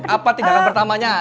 apa tindakan pertamanya